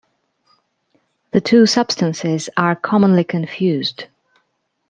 The two substances are commonly confused.